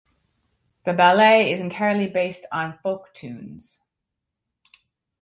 The ballet is entirely based on folk tunes.